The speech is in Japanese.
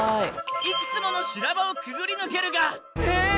いくつもの修羅場をくぐり抜けるがえ！